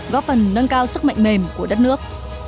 góp phần nâng cao sức mạnh mềm của đất nước